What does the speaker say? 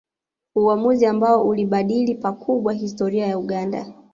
Uamuzi ambao uliibadili pakubwa historia ya Uganda